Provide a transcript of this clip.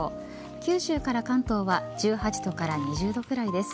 九州から関東は１８度から２０度くらいです。